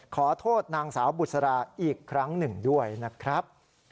ขอโทษนางสาวบุษราอีกครั้งหนึ่งด้วยนะครับ